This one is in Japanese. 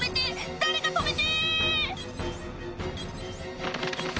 誰か止めて！」